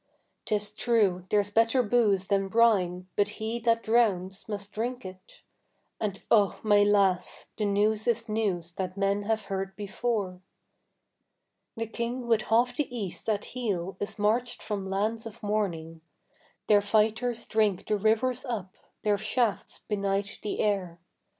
'Tis true there's better boose than brine, but he that drowns must drink it; And oh, my lass, the news is news that men have heard before. The King with half the East at heel is marched from lands of morning; Their fighters drink the rivers up, their shafts benight the air.